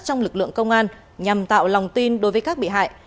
trong lực lượng công an nhằm tạo lòng tin đối với các bị hại